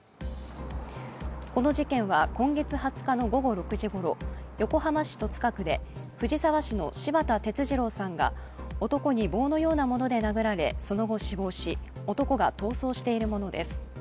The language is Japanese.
この事件は今月２０日の午後６時ごろ横浜市戸塚区で藤沢市の柴田哲二郎さんが男に棒のようなもので殴られその後死亡し、男が逃走しているものです。